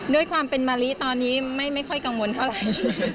ด้วยความเป็นมะลิตอนนี้ไม่ค่อยกังวลเท่าไหร่